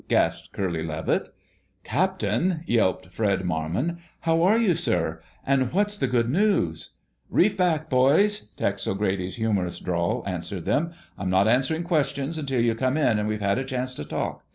gasped Curly Levitt. "Captain!" yelped Fred Marmon. "How are you, sir? And what's the good news?" "Reef back, boys!" Tex O'Grady's humorous drawl answered them. "I'm not answering questions until you come in and we have a chance to talk.